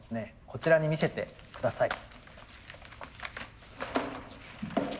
こちらに見せて下さい。